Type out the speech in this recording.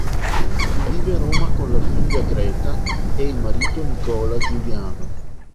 Vive a Roma con la figlia Greta e il marito Nicola Giuliano.